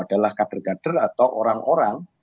adalah kader kader atau orang orang